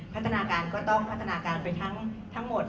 พัฒนาการก็ต้องพัฒนาการไปทั้งหมด